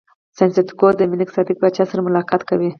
سانتیاګو د ملک صادق پاچا سره ملاقات کوي.